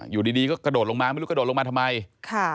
อยู่ดีดีก็กระโดดลงมาไม่รู้กระโดดลงมาทำไมค่ะ